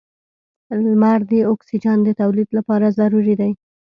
• لمر د اکسیجن د تولید لپاره ضروري دی.